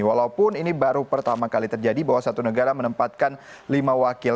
walaupun ini baru pertama kali terjadi bahwa satu negara menempatkan lima wakil